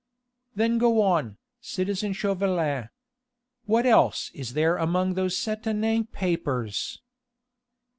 "Then go on, citizen Chauvelin. What else is there among those satané papers?"